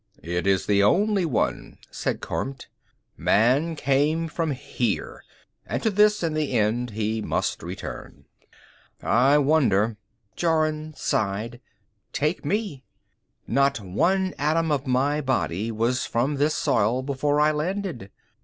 "It is the only one," said Kormt. "Man came from here; and to this, in the end, he must return." "I wonder " Jorun sighed. "Take me; not one atom of my body was from this soil before I landed.